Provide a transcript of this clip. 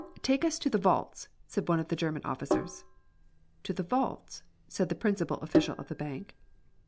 "Take us to the vaults," said one of the German officers. "To the vaults?" said the principal official of the bank.